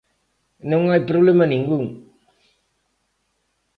Non hai problema ningún.